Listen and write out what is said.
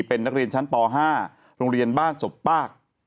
เป็นนักเรียนชั้นป๕โรงเรียนบ้านศพปาก